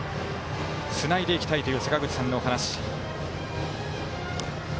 つないでいきたいという坂口さんのお話。